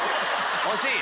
惜しい！